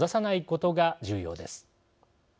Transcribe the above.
ことが重要です。